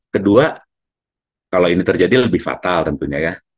kedua kalau ini terjadi lebih fatal tentunya ya